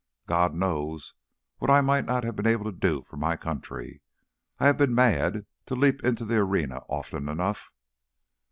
"God knows what I might not have been able to do for my country. I have been mad to leap into the arena often enough."